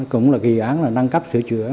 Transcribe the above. cũng là dự án năng cấp sửa chữa